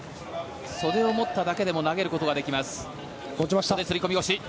袖を持っただけでも投げることができます。